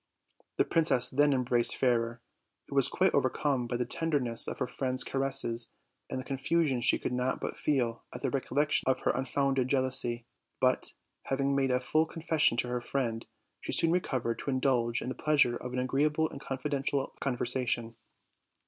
The princess then embraced Fairer, who was quite overcome by the tender ness of her friend's caresses and the confusion she could not but feel at the recollection of her unfounded jeal ousy; but, having made a full confession to her friend, she soon recovered, to indulge in the pleasure of an agreeable and confidential conversation.